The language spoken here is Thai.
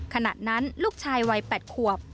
ขณะนั้นลูกชายวัย๘ขวบ